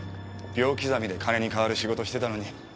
秒刻みで金に変わる仕事してたのに。